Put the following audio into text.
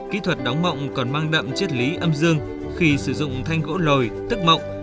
kỹ thuật đóng mộng còn mang đậm triết lý âm dương khi sử dụng thanh gỗ lồi tức mộng